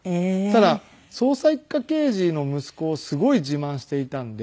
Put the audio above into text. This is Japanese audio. ただ捜査一課刑事の息子をすごい自慢していたんで。